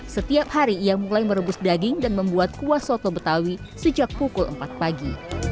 setiap hari ia mulai merebus daging dan membuat kuah soto betawi sejak pukul empat pagi